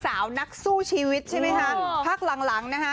สาวนักสู้ชีวิตใช่ไหมคะพักหลังหลังนะฮะ